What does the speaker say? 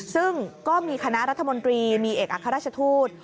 ซึ่งก็มีคณะรัฐมนตรีมีเอกอัครราชทูต